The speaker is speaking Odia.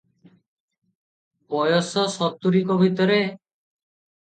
ବୟସ ସତୁରିକ ଭିତରେ ।